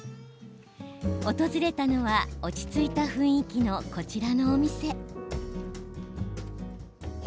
訪れたのは落ち着いた雰囲気のこちらのお店。